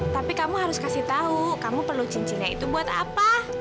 tapi kamu harus kasih tahu kamu perlu cincinnya itu buat apa